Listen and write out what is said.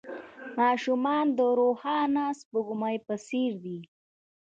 ماشومان د روښانه سپوږمۍ په څېر دي.